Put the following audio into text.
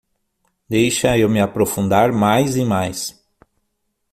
Deixa eu me aprofundar mais e mais